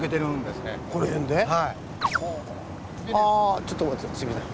ちょっと待ってすいません。